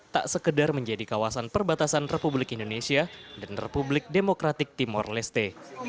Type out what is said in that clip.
tak sekedar menjadi kawasan perbatasan republik indonesia dan republik demokratik timur leste